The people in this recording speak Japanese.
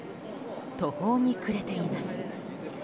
途方に暮れています。